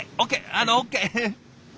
あのＯＫ。